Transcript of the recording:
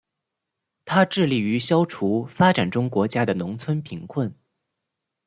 它致力于消除发展中国家的农村贫困。